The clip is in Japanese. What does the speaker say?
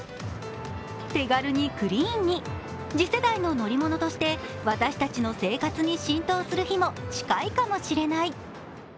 手軽にクリーンに、次世代の乗り物として私たちの生活に浸透する日も近いかもしれない。